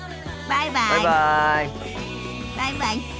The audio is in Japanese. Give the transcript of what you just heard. バイバイ。